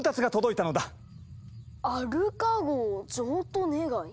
「アルカ号譲渡願い」。